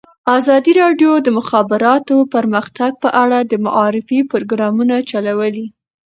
ازادي راډیو د د مخابراتو پرمختګ په اړه د معارفې پروګرامونه چلولي.